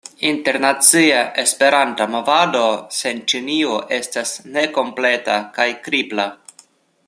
Internacia Esperanta movado sen Ĉinio estas nekompleta kaj kripla.